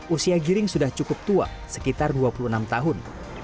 usia giring sudah cukup tua sekitar dua puluh enam tahun